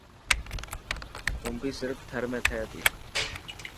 کومبي صرف ٿر ۾ ٿي تي.